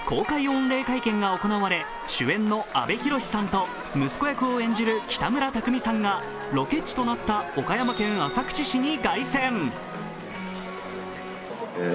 御礼会見が行われ、主演の阿部寛さんと息子役を演じる北村匠海さんがロケ地となった岡山県浅口市に凱旋。